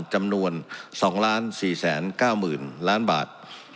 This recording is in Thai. จำนวน๒๔๙๐๐๐ล้านบาท